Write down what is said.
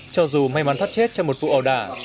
cho dù may mắn thoát chết trong một vụ ẩu đả